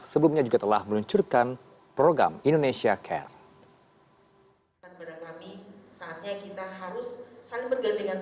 sebelumnya juga telah meluncurkan program indonesia care